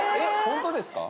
ホントです。